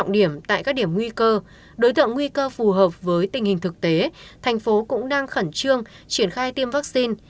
điểm tại các điểm nguy cơ đối tượng nguy cơ phù hợp với tình hình thực tế thành phố cũng đang khẩn trương triển khai tiêm vaccine